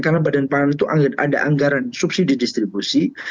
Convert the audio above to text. karena badan pangan itu ada anggaran subsidi distribusi